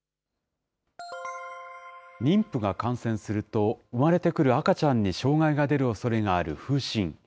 妊婦が感染すると、生まれてくる赤ちゃんに障害が出るおそれがある風疹。